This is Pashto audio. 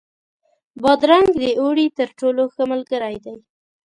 بادرنګ د اوړي تر ټولو ښه ملګری دی.